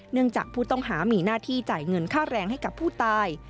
เนื่องจากผู้ต้องหามีหน้าที่จ่ายเงินค่าแรงให้กับผู้ตาย